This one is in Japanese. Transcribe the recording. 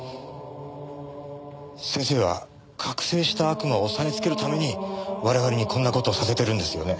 先生は覚醒した悪魔を抑えつけるために我々にこんな事をさせてるんですよね？